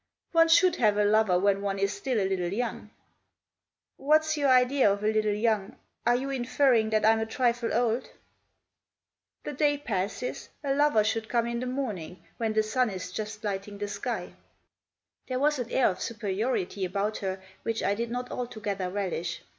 " One should have a lover when one is still a little young." "What's your idea of a little young? Are you inferring that I'm a trifle old ?"" The day passes ; a lover should come in the morn ing ; when the sun is just lighting the sky." There was an air of superiority about her which I did not altogether relish.